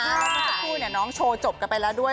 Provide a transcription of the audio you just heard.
เพราะสักครู่เนี่ยน้องโชว์จบกันไปแล้วด้วย